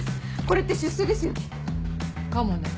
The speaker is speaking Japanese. これって出世ですよね？